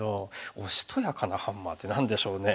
「おしとやかなハンマー」って何でしょうね。